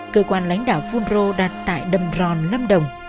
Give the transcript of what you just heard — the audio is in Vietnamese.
cơ quan lãnh đạo fungro đặt tại đầm ròn lâm đồng